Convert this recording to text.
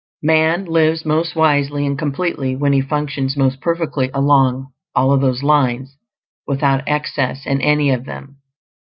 Man lives most wisely and completely when he functions most perfectly along all of these lines, without excess in any of them.